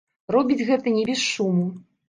Робіць гэта не без шуму.